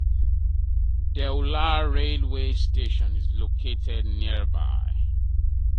Deula railway station is located nearby.